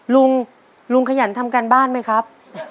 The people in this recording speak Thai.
ลุงลุงขยันทำการบ้านไหมครับ